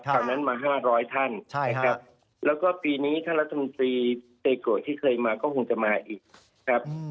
คราวนั้นมา๕๐๐ท่านแล้วก็ปีนี้ท่านรัฐมนตรีเจโกะที่เคยมาก็คงจะมาอีก